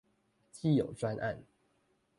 既有專案